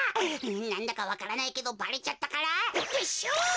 なんだかわからないけどバレちゃったからてっしゅう。